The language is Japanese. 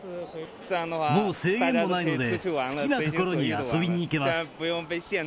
もう制限もないので、好きな所に遊びに行けます。